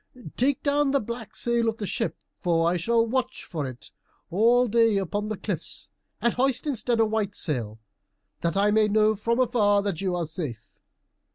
Take down the black sail of the ship, for I shall watch for it all day upon the cliffs, and hoist instead a white sail, that I may know afar off that you are safe."